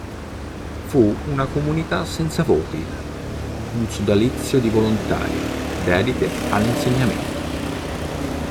Fu una comunità senza voti, un sodalizio di volontarie dedite all'insegnamento.